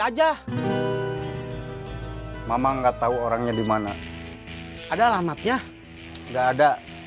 sudah nggak dahulu ke kenapa